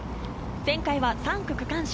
前回は３区区間賞。